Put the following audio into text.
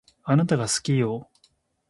あなたが好きよ